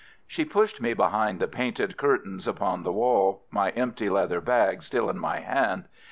She pushed me behind the painted curtains upon the wall, my empty leather bag still in my hand.